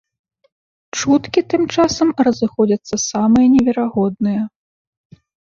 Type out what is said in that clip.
Чуткі тым часам разыходзяцца самыя неверагодныя.